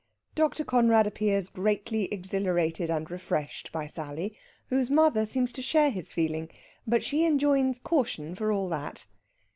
Dr. Conrad appears greatly exhilarated and refreshed by Sally, whose mother seems to share his feeling, but she enjoins caution, for all that.